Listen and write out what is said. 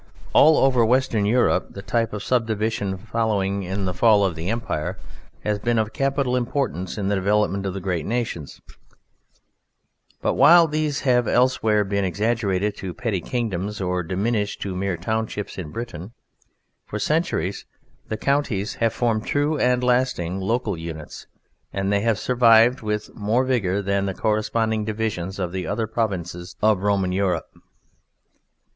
All over Western Europe the type of subdivision following in the fall of the Empire has been of capital importance in the development of the great nations, but while these have elsewhere been exaggerated to petty kingdoms or diminished to mere townships in Britain, for centuries the counties have formed true and lasting local units, and they have survived with more vigour than the corresponding divisions of the other provinces of Roman Europe.